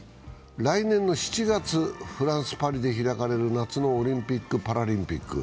来年の７月、フランス・パリで開かれる夏のオリンピック・パラリンピック。